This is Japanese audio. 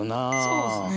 そうですね。